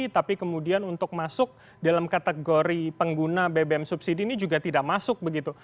tapi kemudian untuk masuk dalam kategori pengguna bbm subsidi ini juga tidak masuk begitu